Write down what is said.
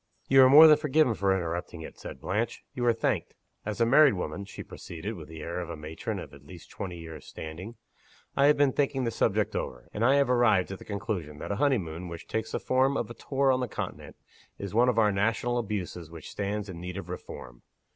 "You are more than forgiven for interrupting it," said Blanche "you are thanked. As a married woman," she proceeded, with the air of a matron of at least twenty years' standing, "I have been thinking the subject over; and I have arrived at the conclusion that a honey moon which takes the form of a tour on the Continent, is one of our national abuses which stands in need of reform.